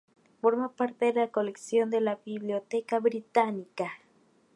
Forma parte de la colección de la Biblioteca Británica.